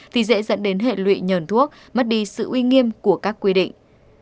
thì dễ dẫn đến hệ lụy nhờn thuốc mất đi sự uy nghiêm của các quy định